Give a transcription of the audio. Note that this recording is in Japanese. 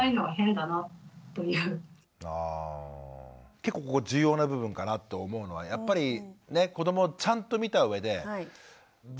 結構ここ重要な部分かなと思うのはやっぱりね子どもをちゃんと見たうえで絶対おかしいぞって。